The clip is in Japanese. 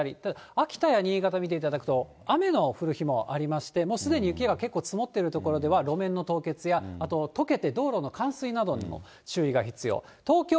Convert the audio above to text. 秋田や新潟、見ていただくと、雨の降る日もありまして、もうすでに雪が結構、積もっている所では、路面の凍結や、あととけて道路の冠水などにも注意が必要。